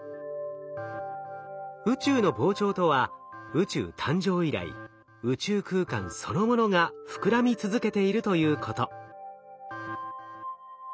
宇宙の膨張とは宇宙誕生以来宇宙空間そのものが膨らみ続けているということ。